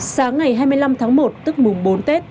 sáng ngày hai mươi năm tháng một tức mùng bốn tết